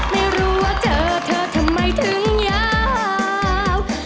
ไม่รู้ว่าเจอเธอทำไมถึงยาว